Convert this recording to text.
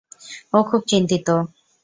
ও খুব চিন্তিত।